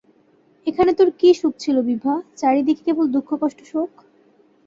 এখানে তোর কী সুখ ছিল বিভা, চারি দিকে কেবল দুঃখ কষ্ট শোক।